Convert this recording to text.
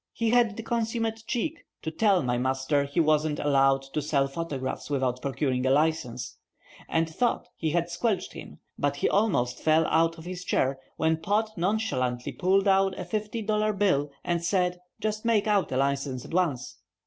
He had the consummate cheek to tell my master he wasn't allowed to sell photographs without procuring a license, and thought he had squelched him, but he almost fell out of his chair when Pod nonchalantly pulled out a fifty dollar bill and said, "Just make out a license at once."